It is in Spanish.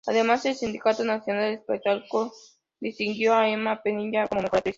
Además, el Sindicato Nacional del Espectáculo distinguió a Emma Penella como mejor actriz.